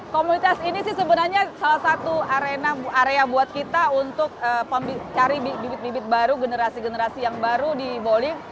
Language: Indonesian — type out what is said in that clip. komunitas ini sih sebenarnya salah satu area buat kita untuk cari bibit bibit baru generasi generasi yang baru di bowling